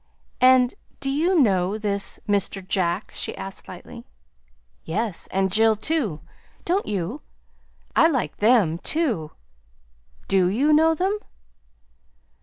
"And do you know this Mr. Jack?" she asked lightly. "Yes, and Jill, too. Don't you? I like them, too. DO you know them?"